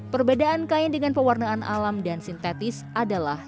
perbedaan kain dengan pewarnaan alam dan sintetis adalah